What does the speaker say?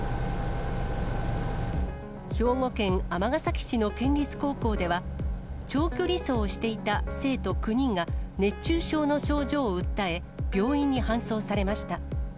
兵庫県尼崎市の県立高校では、長距離走をしていた生徒９人が、熱中症の症状を訴え、病院に搬送されました。